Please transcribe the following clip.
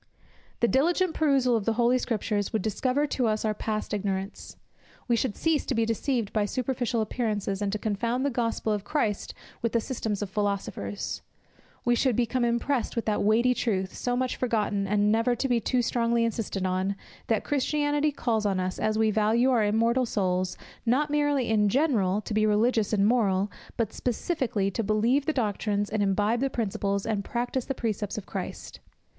The diligent perusal of the Holy Scriptures would discover to us our past ignorance. We should cease to be deceived by superficial appearances, and to confound the Gospel of Christ with the systems of philosophers; we should become impressed with that weighty truth, so much forgotten, and never to be too strongly insisted on, that Christianity calls on us, as we value our immortal souls, not merely in general, to be religious and moral, but specially to believe the doctrines, and imbibe the principles, and practise the precepts of Christ.